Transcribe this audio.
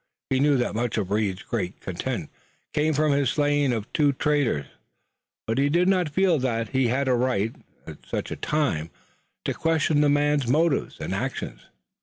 He knew that much of Reed's great content came from his slaying of the two traitors, but he did not feel that he had a right, at such a time, to question the man's motives and actions.